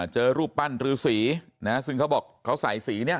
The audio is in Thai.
เจอรูปปั้นรือสีนะซึ่งเขาบอกเขาใส่สีเนี่ย